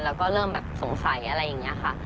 แล้วก็เริ่มแบบสงสัยอะไรอย่างนี้ค่ะ